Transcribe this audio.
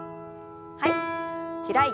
はい。